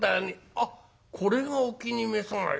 「あっこれがお気に召さない？